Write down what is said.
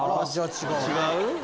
違う？